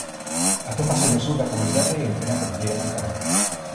Atópase no sur da comunidade en plena Cordilleira Cantábrica.